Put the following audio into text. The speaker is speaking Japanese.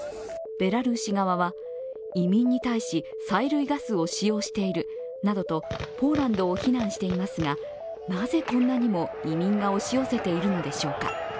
ベラルーシ側は、移民に対し催涙ガスを使用しているなどとポーランドを非難していますがなぜこんなにも移民が押し寄せているんでしょうか。